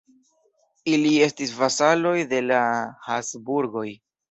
Ili estis vasaloj de la Habsburgoj.